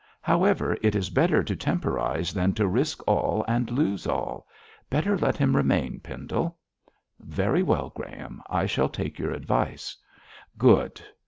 However, it is better to temporise than to risk all and lose all. Better let him remain, Pendle.' 'Very well, Graham, I shall take your advice.' 'Good!'